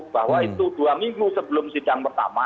bahwa itu dua minggu sebelum sidang pertama